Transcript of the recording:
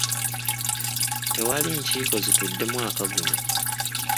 Tewali nkiiko zitudde mwaka guno.